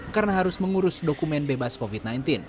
karena harus mengurus dokumen bebas covid sembilan belas